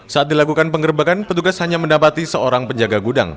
saat dilakukan penggerbekan petugas hanya mendapati seorang penjaga gudang